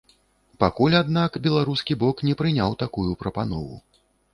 Пакуль, аднак, беларускі бок не прыняў такую прапанову.